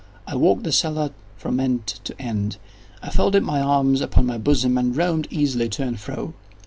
I walked the cellar from end to end. I folded my arms upon my bosom, and roamed easily to and fro.